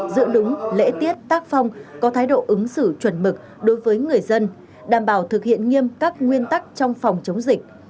giữ đúng lễ tiết tác phong có thái độ ứng xử chuẩn mực đối với người dân đảm bảo thực hiện nghiêm các nguyên tắc trong phòng chống dịch